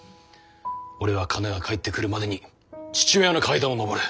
俺はカナが帰ってくるまでに父親の階段を上る。